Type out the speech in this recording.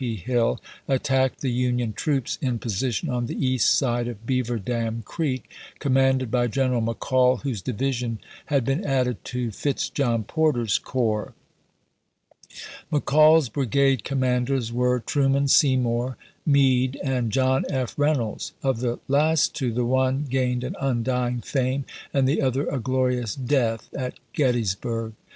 P. Hill, attacked the Union troops in position on the east side of Beaver Dam Creek, commanded by Greneral McCall, whose division had been added to Fitz John Porter's coi'ps. Mc Call's brigade commanders were Truman Seymour, Meade, and John F. Reynolds. Of the last two, the one gained an undying fame and the other a glorious death at Gettysburg.